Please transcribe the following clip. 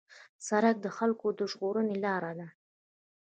سړک د خلکو د ژغورنې لار ده.